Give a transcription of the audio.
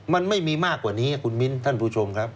มันไม่มีมากกว่านี้คุณมิ้นท่านผู้ชมครับ